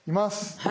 はい。